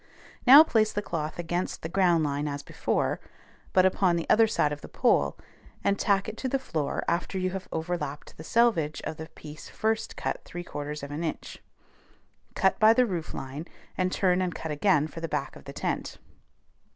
Now place the cloth against the ground line as before, but upon the other side of the pole, and tack it to the floor after you have overlapped the selvage of the piece first cut 3/4 of an inch. Cut by the roof line, and turn and cut again for the back of the tent.